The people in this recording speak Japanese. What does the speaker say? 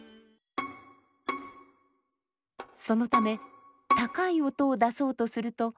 そのため高い音を出そうとすると。